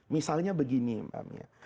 misalnya begini mbak mia